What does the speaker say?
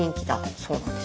そうなんです。